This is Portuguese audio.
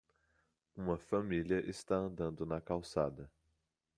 Uma família está andando na calçada.